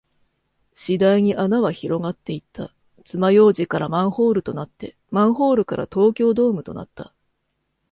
次第に穴は広がっていった。爪楊枝からマンホールとなって、マンホールから東京ドームとなった。